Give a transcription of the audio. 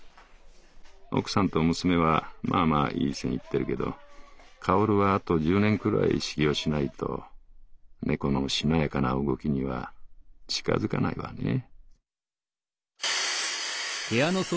奥さんと娘はまあまあいい線いってるけど薫はあと十年くらい修行しないと猫のしなやかな動きには近づかないわねぇ」。